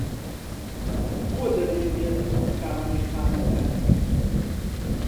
بۆ دەبێ بێت و بکا مەیخانە تەنگ؟!